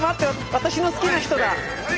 私の好きな人だ！